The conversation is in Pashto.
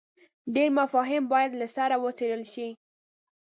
ډېر مفاهیم باید له سره وڅېړل شي.